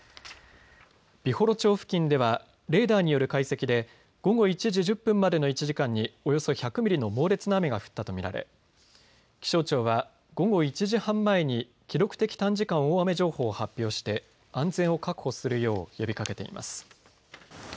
美幌町付近ではレーダーによる解析で午後１時１０分までの１時間におよそ１００ミリの猛烈な雨が降ったと見られ気象庁は午後１時半前に記録的短時間大雨情報を発表して安全を確保するよう呼びかけています。